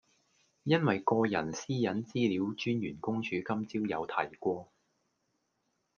因為個人私隱資料專員公署今朝有提過